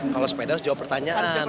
kalau sepeda harus jawab pertanyaan